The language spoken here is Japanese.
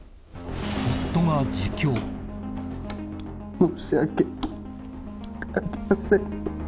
申し訳ありません。